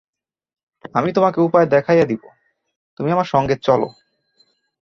আমি তোমাকে উপায় দেখাইয়া দিব, তুমি আমার সঙ্গে চলো।